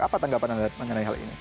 apa tanggapan anda mengenai hal ini